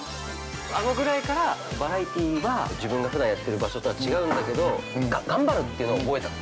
あのぐらいからバラエティーは自分がふだんやってる場所とは違うんだけど頑張るっていうのを覚えたと。